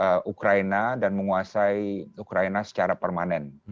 untuk ukraina dan menguasai ukraina secara permanen